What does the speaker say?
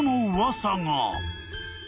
噂が］